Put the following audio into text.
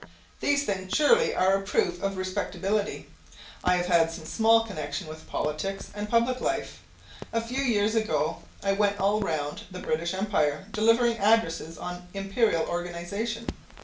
These things, surely, are a proof of respectability. I have had some small connection with politics and public life. A few years ago I went all round the British Empire delivering addresses on Imperial organization.